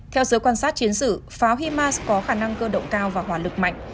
theo giới quan sát chiến sự pháo himas có khả năng cơ động cao và hỏa lực mạnh